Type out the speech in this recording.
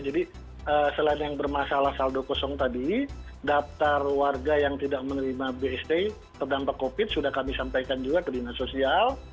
jadi selain yang bermasalah saldo kosong tadi daftar warga yang tidak menerima bst terdampak covid sudah kami sampaikan juga ke dinas sosial